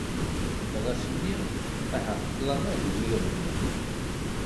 Ɣas nniɣ: Ahat ṭṭlam ad iyi-iɣumm?